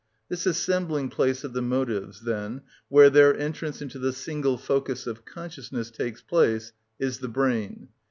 (36) This assembling place of the motives, then, where their entrance into the single focus of consciousness takes place, is the brain.